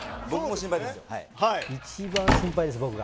一番心配です僕が。